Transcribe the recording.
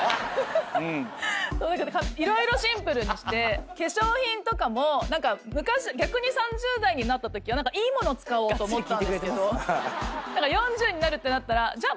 色々シンプルにして化粧品とかも逆に３０代になったときはいい物使おうと思ったんですけど４０になるってなったらじゃ